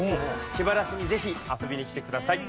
気晴らしにぜひ遊びに来ください。